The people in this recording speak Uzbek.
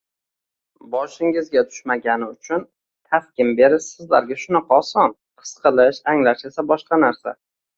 -Boshingizga tushmagani uchun taskin berish sizlarga shunaqa oson, his qilish, anglash esa boshqa narsa…